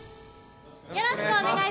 よろしくお願いします。